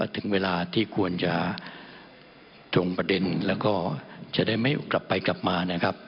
ถึงเวลาที่ควรจะจงประเด็นแล้วก็จะได้ไม่กลับไปกลับมานะครับ